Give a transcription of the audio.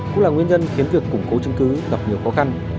cũng là nguyên nhân khiến việc củng cố chứng cứ gặp nhiều khó khăn